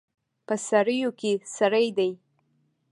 په سړیو کې سړي دي